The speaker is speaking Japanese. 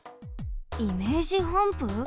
イメージハンプ？